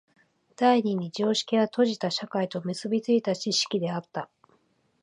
第二に常識は閉じた社会と結び付いた知識であった。